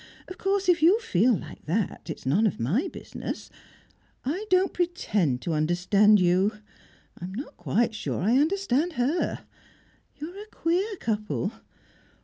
Of course if you feel like that it's none of my business, I don't pretend to understand you; I'm not quite sure I understand her. You're a queer couple.